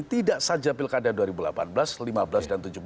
tidak saja pilkada dua ribu delapan belas lima belas dan tujuh belas